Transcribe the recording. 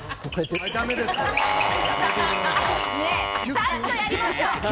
ちゃんとやりましょう。